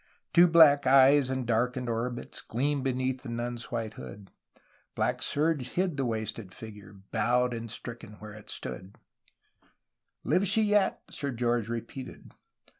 Two black eyes in darkened orbits gleamed beneath the nun's white hood; Black serge hid the wasted figure, bowed and stricken where it stood. THE ROMANTIC PERIOD, 1782 1810 417 'Lives she yet?' Sir George repeated.